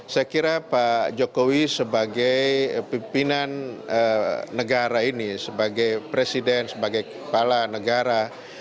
saya kira pak jokowi sebagai pimpinan negara ini sebagai presiden sebagai kepala negara